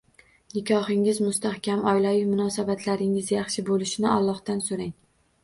Nikohingiz mustahkam, oilaviy munosabatlaringiz yaxshi bo‘lishini Allohdan so‘rang.